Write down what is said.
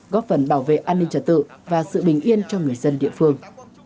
góp phần bảo vệ an ninh trật tự và sự bình yên cho người dân địa phương